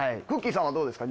さんはどうですか？